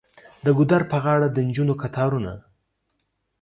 د ګودر په غاړه د نجونو کتارونه.